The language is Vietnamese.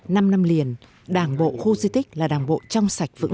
năm năm liền đảng bộ khu suy tích là đảng bộ trong sạch vững